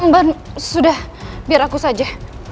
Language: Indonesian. mbak sudah biar aku saja